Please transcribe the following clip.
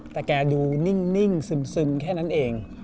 แต่แกดูนิ่งซึมแค่นั้นเอง